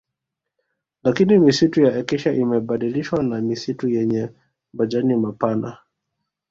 Lakini misitu ya Acacia imebadilishwa na misitu yenye majani mapana